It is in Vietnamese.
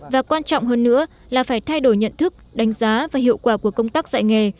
và quan trọng hơn nữa là phải thay đổi nhận thức đánh giá và hiệu quả của công tác dạy nghề